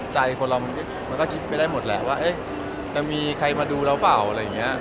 ใจคนเรามันก็คิดไปได้หมดแหละว่าจะมีใครมาดูเราเปล่าอะไรอย่างนี้